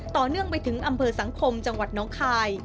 ต่อเนื่องไปถึงอำเภอสังคมจังหวัดน้องคาย